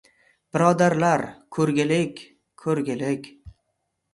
Birodarlar, ko‘rgilik, ko‘rgilik!